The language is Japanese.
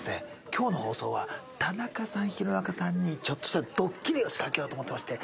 今日の放送は田中さん弘中さんにちょっとしたドッキリを仕掛けようと思ってまして。